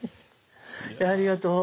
ありがとう。